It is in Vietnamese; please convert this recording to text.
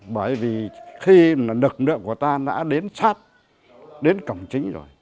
bởi vì khi lực lượng của ta đã đến sát đến cổng chính rồi